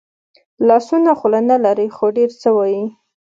لاسونه خوله نه لري خو ډېر څه وايي